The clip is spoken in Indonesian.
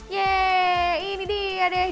yeay ini dia deh